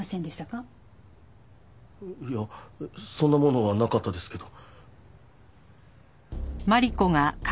いやそんなものはなかったですけど。